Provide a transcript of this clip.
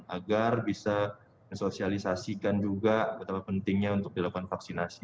agar bisa mensosialisasikan juga betapa pentingnya untuk dilakukan vaksinasi